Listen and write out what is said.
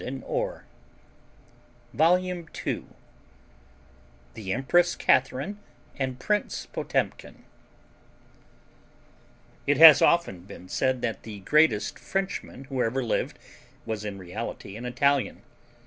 END OF VOLUME ONE THE EMPRESS CATHARINE AND PRINCE POTEMKIN It has often been said that the greatest Frenchman who ever lived was in reality an Italian.